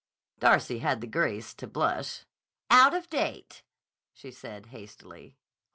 Darcy had the grace to blush. "Out of date," she said hastily.